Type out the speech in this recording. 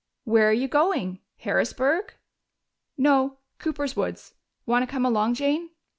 "Where are you going? Harrisburg?" "No. Cooper's woods. Want to come along, Jane?"